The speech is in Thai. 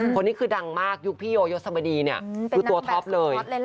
คนนี้คือดังมากยุคพี่โยยสมดีเนี่ยคือตัวท็อปเลย